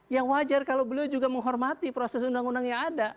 ya wajar kalau beliau juga menghormati proses undang undangnya ada